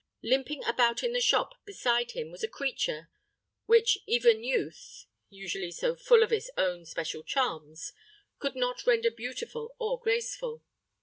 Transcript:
Limping about in the shop beside him was a creature, which even youth usually so full of its own special charms could not render beautiful or graceful.